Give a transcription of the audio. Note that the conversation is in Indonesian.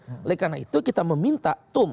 oleh karena itu kita meminta tum